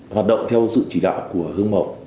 hoạt động theo sự chỉ đạo của hương mẩu